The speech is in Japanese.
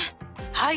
はい、